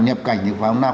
nhập cảnh như thế nào